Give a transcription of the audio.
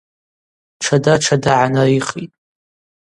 Тшада тшада гӏанарихитӏ.